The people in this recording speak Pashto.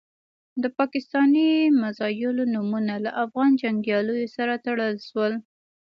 د پاکستاني میزایلو نومونه له افغان جنګیالیو سره تړل شول.